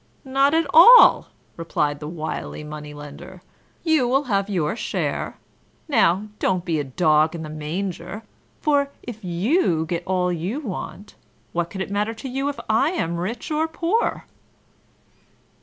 "Not at all!" replied the wily Money lender; "you will have your share! Now, don't be a dog in the manger, for, if you get all you want, what can it matter to you if I am rich or poor?"